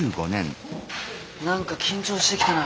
なんか緊張してきたな。